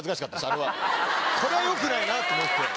あれはこれはよくないなと思って。